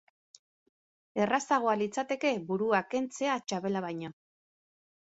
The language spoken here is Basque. Errazagoa litzateke burua kentzea txapela baino.